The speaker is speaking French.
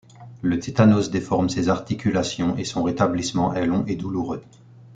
Le tétanos déforme ses articulations et son rétablissement est long et douloureux.